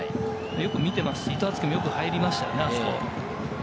よく見ていますし、伊藤敦樹もよく入りましたよね、あそこ。